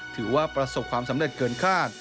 ถือว่าประสบความสำเร็จเกินคาด